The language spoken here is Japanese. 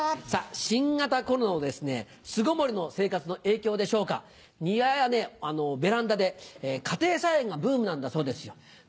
さあ、新型コロナの巣ごもりの生活の影響でしょうか、庭やベランダで、家庭菜園がブームなんだそうですよ。